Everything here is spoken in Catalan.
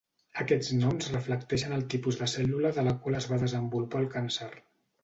Aquests noms reflecteixen el tipus de cèl·lula de la qual es va desenvolupar el càncer.